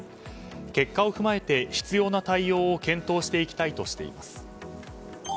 結果を踏まえて必要な対応を検討していきたいとしています。